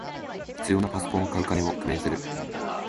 必要なパソコンを買う金を工面する